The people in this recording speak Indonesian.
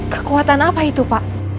kekuatan apa itu pak